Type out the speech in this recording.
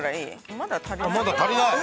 まだ足りない。